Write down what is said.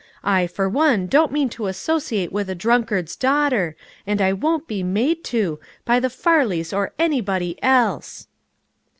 I for one, don't mean to associate with a drunkard's daughter, and I won't be niade to, by the Far leys or anybody else."